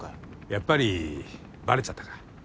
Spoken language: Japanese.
やっぱりバレちゃったか。